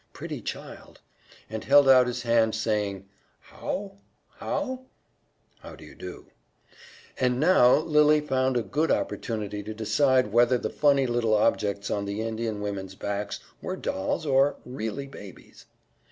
Pretty child!) and held out his hand, saying: "Howe howe?" (How do you do?) And now Lily found a good opportunity to decide whether the funny little objects on the Indian women's backs were dolls or "really babies."